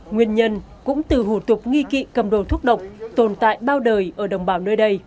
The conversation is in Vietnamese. nguyên nhân cũng từ hủ tục nghi kỵ cầm đồ thúc độc tồn tại bao đời ở đồng bào nơi đây